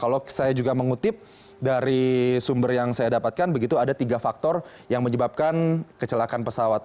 kalau saya juga mengutip dari sumber yang saya dapatkan begitu ada tiga faktor yang menyebabkan kecelakaan pesawat